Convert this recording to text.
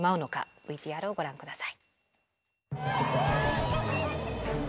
ＶＴＲをご覧下さい。